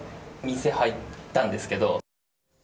店入ったんですけど。